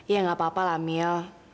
ya nggak apa apa lah mil